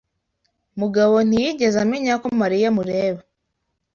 Mugabo ntiyigeze amenya ko Mariya amureba.